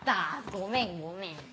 ごめんごめん。